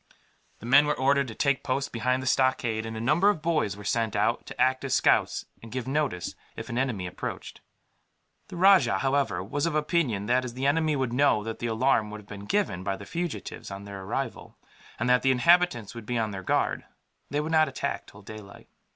The men were ordered to take post behind the stockade, and a number of boys were sent out, to act as scouts and give notice if an enemy approached. The rajah, however, was of opinion that, as the enemy would know that the alarm would have been given by the fugitives, on their arrival, and that the inhabitants would be on their guard, they would not attack till daylight.